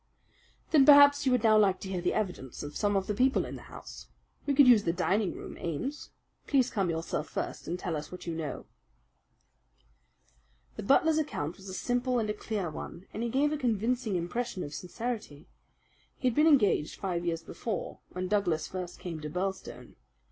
"Then perhaps you would now like to hear the evidence of some of the people in the house. We could use the dining room, Ames. Please come yourself first and tell us what you know." The butler's account was a simple and a clear one, and he gave a convincing impression of sincerity. He had been engaged five years before, when Douglas first came to Birlstone.